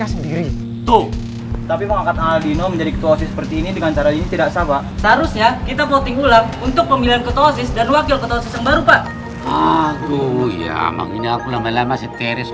aduh ya memang ini aku lama lama seteris